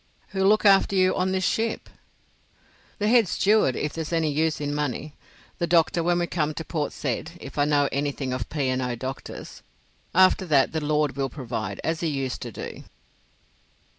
"Who'll look after you on this ship?" "The head steward, if there's any use in money. The doctor when we come to Port Said, if I know anything of P. and O. doctors. After that, the Lord will provide, as He used to do."